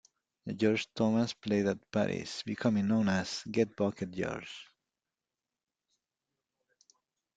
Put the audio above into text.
George Thomas played at parties, becoming known as "Gut Bucket George".